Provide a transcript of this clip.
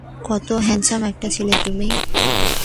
কত হ্যাঁন্ডসাম একটা ছেলে তুমি।